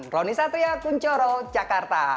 roni satu ya puncoro jakarta